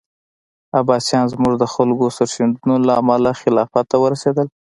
عباسیان زموږ د خلکو سرښندنو له امله خلافت ته ورسېدل.